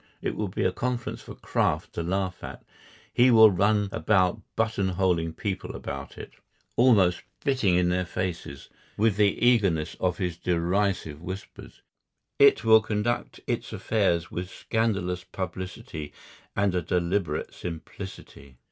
It will be a Conference for Kraft to laugh at. He will run about button holing people about it; almost spitting in their faces with the eagerness of his derisive whispers. It will conduct its affairs with scandalous publicity and a deliberate simplicity.